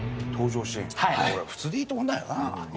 普通でいいと思うんだよな。